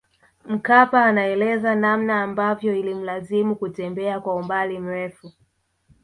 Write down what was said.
Mkapa anaeleza namna ambavyo ilimlazimu kutembea kwa umbali mrefu